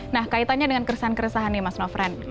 nah kaitannya dengan keresahan keresahan nih mas nofran